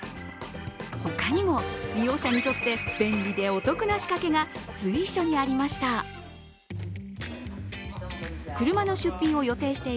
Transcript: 他にも、利用者にとって便利でお得な仕掛けが随所にありました。